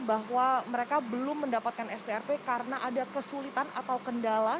bahwa mereka belum mendapatkan strp karena ada kesulitan atau kendala